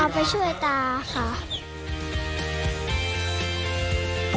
ไปช่วยตาค่ะ